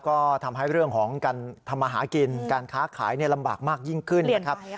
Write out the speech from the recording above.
ก็ทำให้เรื่องของการทำมาหากินการค้าขายลำบากมากยิ่งขึ้นนะครับ